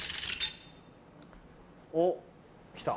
おっ来た。